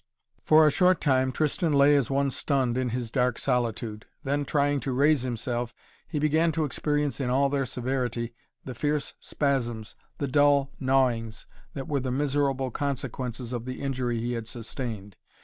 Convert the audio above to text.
For a short time Tristan lay as one stunned in his dark solitude. Then, trying to raise himself, he began to experience in all their severity the fierce spasms, the dull gnawings that were the miserable consequences of the injury he had sustained.